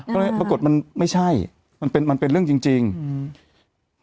ก็เลยปรากฏมันไม่ใช่มันเป็นมันเป็นเรื่องจริงจริงอืม